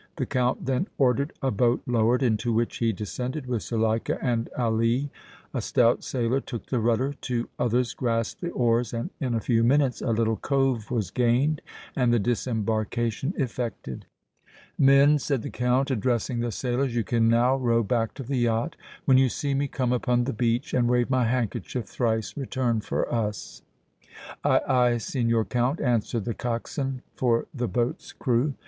The Count then ordered a boat lowered, into which he descended with Zuleika and Ali. A stout sailor took the rudder, two others grasped the oars, and, in a few minutes, a little cove was gained and the disembarkation effected. "Men," said the Count, addressing the sailors, "you can now row back to the yacht. When you see me come upon the beach and wave my handkerchief thrice, return for us." "Aye, aye, Signor Count," answered the coxswain for the boat's crew.